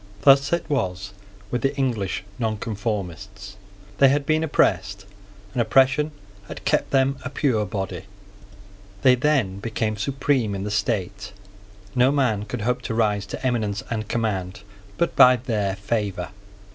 Thus it was with the English Nonconformists. They had been oppressed; and oppression had kept them a pure body. They then became supreme in the state. No man could hope to rise to eminence and command but by their favour.